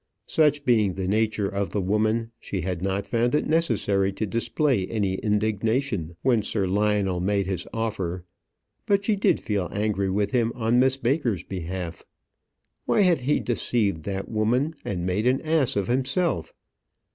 Such being the nature of the woman, she had not found it necessary to display any indignation when Sir Lionel made his offer; but she did feel angry with him on Miss Baker's behalf. Why had he deceived that woman, and made an ass of himself?